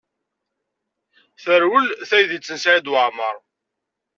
Terwel teydit n Saɛid Waɛmaṛ.